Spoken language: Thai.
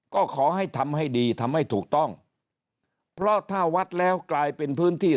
ก็ขอให้ทำให้ดีทำให้ถูกต้องเพราะถ้าวัดแล้วกลายเป็นพื้นที่